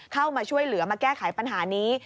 เข้ามาช่วยเหลือมาแก้ไขปัญหานี้